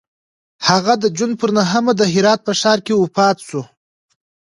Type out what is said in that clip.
هغه د جون پر نهمه د هرات په ښار کې وفات شو.